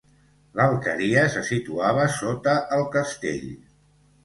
L'alqueria se situava sota el castell.